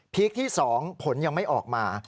คที่๒ผลยังไม่ออกมา